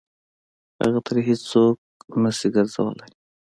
هغه ترې هېڅ څوک نه شي ګرځولی.